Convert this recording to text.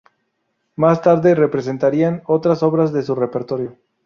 Más tarde representarían otras obras de su repertorio.